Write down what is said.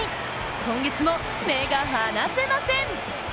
今月も目が離せません！